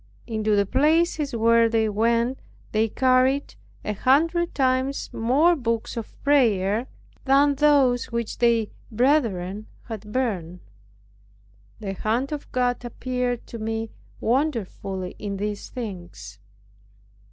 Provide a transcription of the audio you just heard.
Into the places where they went, they carried a hundred times more books of prayer than those which their brethren had burned. The hand of God appeared to me wonderfully in these things.